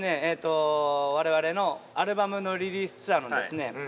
えと我々のアルバムのリリースツアーのですね